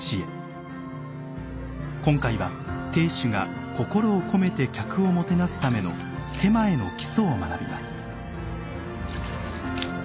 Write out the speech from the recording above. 今回は亭主が心を込めて客をもてなすための点前の基礎を学びます。